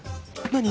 何？